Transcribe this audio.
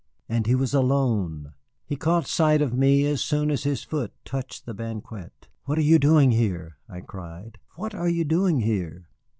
And he was alone! He caught sight of me as soon as his foot touched the banquette. "What are you doing here?" I cried. "What are you doing here?"